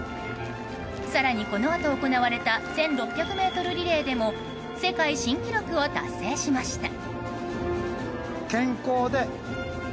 更に、このあと行われた１６００ｍリレーでも世界新記録を達成しました。